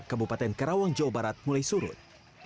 kebupaten kerawang jawa barat mulai surut